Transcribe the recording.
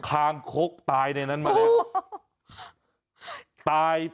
คางคกตายในนั้นมาแล้วตาย